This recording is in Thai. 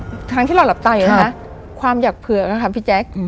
แล้วก็อื้อทั้งที่เราหลับตาอยู่นะความอยากเผื่อค่ะพี่แจ๊ค